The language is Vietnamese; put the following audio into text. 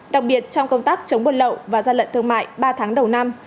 đồng biệt trong công tác chống bột lậu và gian lận thương mại ba tháng đầu năm